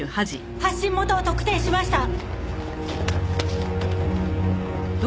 発信元を特定しました！